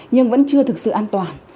nhưng vẫn chưa thực sự an toàn